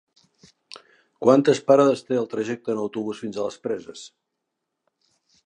Quantes parades té el trajecte en autobús fins a les Preses?